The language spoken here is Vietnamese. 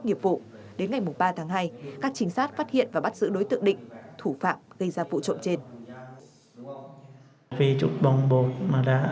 nghiệp vụ đến ngày ba tháng hai các chính sát phát hiện và bắt giữ đối tượng định thủ phạm